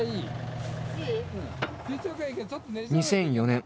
２００４年